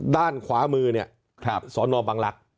ด้านขวามือเนี่ยสอนอบังลักษณ์